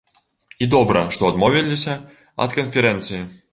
І добра, што адмовіліся ад канферэнцыі.